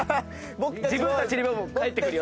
自分たちにも返ってくるよ。